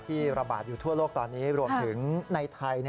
ระบาดอยู่ทั่วโลกตอนนี้รวมถึงในไทย